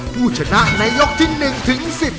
ผู้ชนะในยกที่๑ถึง๑๐